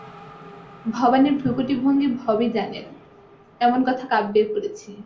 ভবানীর ভ্রূকুটিভঙ্গি ভবই জানেন, এমন কথা কাব্যে পড়েছি।